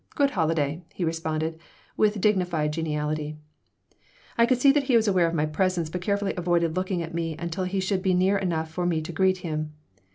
Good holiday!" he responded, with dignified geniality I could see that he was aware of my presence but carefully avoided looking at me until he should be near enough for me to greet him.